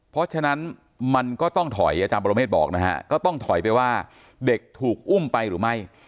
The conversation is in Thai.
เพราะฉะนั้นมันก็ต้องถอยอาจารย์ปรเมฆบอกนะฮะก็ต้องถอยไปว่าเด็กถูกอุ้มไปหรือไม่